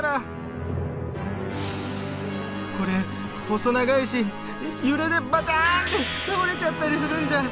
これ細長いし揺れでバターンって倒れちゃったりするんじゃ。